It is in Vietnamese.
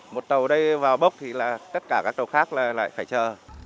một tàu đây vào bốc thì là tất cả các tàu khác là lại phải chờ